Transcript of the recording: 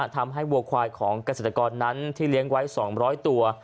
วัวควายของเกษตรกรนั้นที่เลี้ยงไว้๒๐๐ตัว